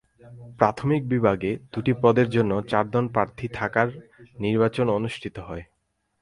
প্রাথমিক বিভাগে দুটি পদের জন্য চারজন প্রার্থী থাকায় নির্বাচন অনুষ্ঠিত হয়।